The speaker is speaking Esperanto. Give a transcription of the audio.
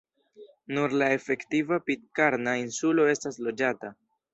Nur la efektiva Pitkarna insulo estas loĝata.